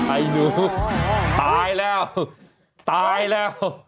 ไอ้หนูตายแล้วตายแล้ว